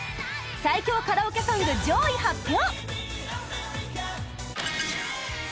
最強カラオケソング上位発表